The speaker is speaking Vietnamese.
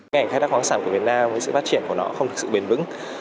ngành khai thác khoáng sản của việt nam với sự phát triển của nó không thực sự bền vững